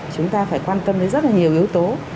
chúng ta phải quan tâm đến rất là nhiều yếu tố